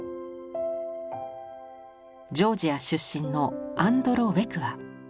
ジョージア出身のアンドロ・ウェクア。